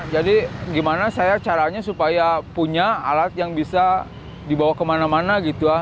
jadi gimana caranya saya supaya punya alat yang bisa dibawa kemana mana